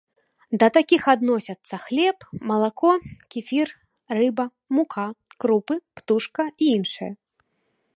Да такіх адносяцца хлеб, малако, кефір, рыба, мука, крупы, птушка і іншае.